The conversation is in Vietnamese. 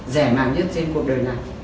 rẻ mạng nhất trên cuộc đời này